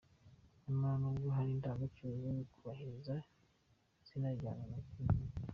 Nyamara n’ubwo hari indangagaciro zo kubahiriza zinajyana na kirazira.